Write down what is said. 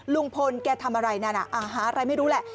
ลุงพลแกทำอะไรนั่นหาอะไรไม่รู้แหละ